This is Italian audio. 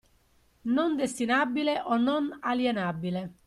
Non destinabile o non alienabile.